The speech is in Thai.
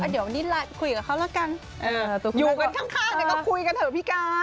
เดี๋ยวนิดคุยกับเขาแล้วกันอยู่กันข้างก็คุยกันเถอะพี่การ